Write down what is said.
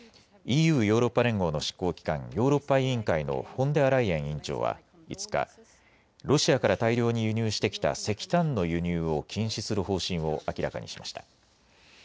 ＥＵ・ヨーロッパ連合の執行機関、ヨーロッパ委員会のフォンデアライエン委員長は５日、ロシアから大量に輸入してきた石炭の輸入を禁止する方針を明らかにしました。